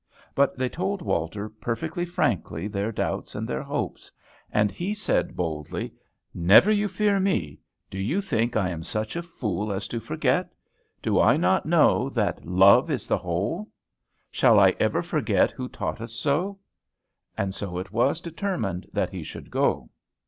But they told Walter perfectly frankly their doubts and their hopes. And he said boldly, "Never you fear me. Do you think I am such a fool as to forget? Do I not know that 'Love is the whole'? Shall I ever forget who taught us so?" And so it was determined that he should go.